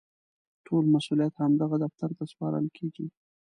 ټول مسوولیت همدغه دفتر ته سپارل کېږي.